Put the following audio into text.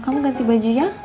kamu ganti baju ya